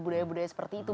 budaya budaya seperti itu